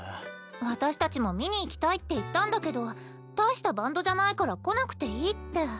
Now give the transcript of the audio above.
私たちも見に行きたいって言ったんだけど大したバンドじゃないから来なくていいって。